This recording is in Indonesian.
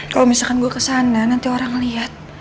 kalau misalkan gue kesana nanti orang lihat